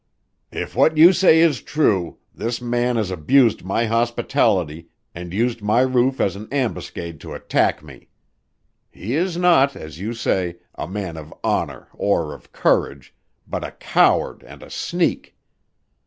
"If what you say is true, this man has abused my hospitality and used my roof as an ambuscade to attack me. He is not, as you say, a man of honor or of courage, but a coward and a sneak!